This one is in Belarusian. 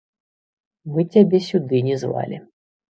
Мы цябе сюды не звалі.